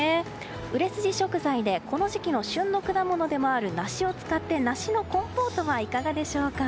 売れ筋食材でこの時期の旬の果物でもある梨を使って梨のコンポートはいかがでしょうか？